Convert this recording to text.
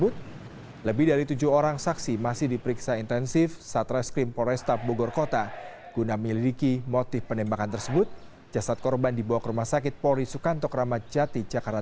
tidak ada yang mau berpikir